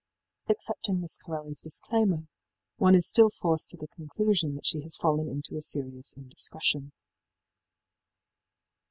Accepting Miss Corelliís disclaimer, one is still forced to the conclusion that she has fallen into a serious indiscretion.